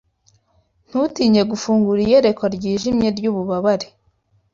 ntutinye Gufungura iyerekwa ryijimye ryububabare